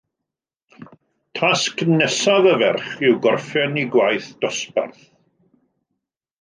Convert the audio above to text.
Tasg nesaf y ferch yw gorffen ei gwaith dosbarth